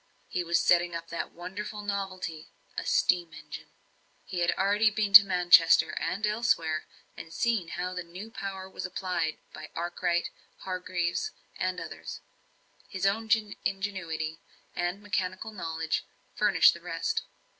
He was setting up that wonderful novelty a steam engine. He had already been to Manchester and elsewhere, and seen how the new power was applied by Arkwright, Hargreaves, and others; his own ingenuity and mechanical knowledge furnished the rest.